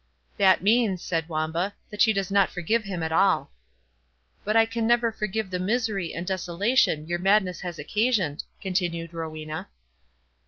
"That means," said Wamba, "that she does not forgive him at all." "But I can never forgive the misery and desolation your madness has occasioned," continued Rowena.